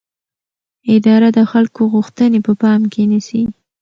اداره د خلکو غوښتنې په پام کې نیسي.